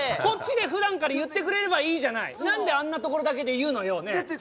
こっちで普段から言ってくれればいいじゃない何であんなところだけで言うのよねえ？